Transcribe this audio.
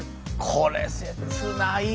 これ切ないよ。